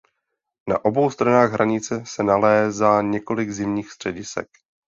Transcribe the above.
Na obou stranách hranice se nalézá několik zimních středisek.